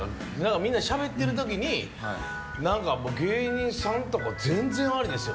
みんなでしゃべってる時に「芸人さんとか全然ありですよ」。